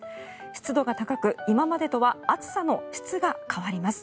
湿度が高く、今までとは暑さの質が変わります。